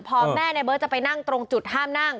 พอแม่ในเบิร์ตจะไปนั่งตรงจุดห้ามนั่ง